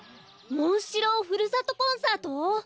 モンシローふるさとコンサート？